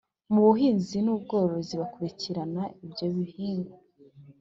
mu buhinzi n ubworozi bakurikirana ibyo bihingwa